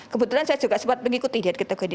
kebetulan saya juga sempat mengikuti diet ketuk gini